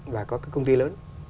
và có công ty lớn